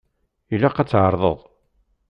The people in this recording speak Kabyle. Ilaq ad t-tɛerḍeḍ.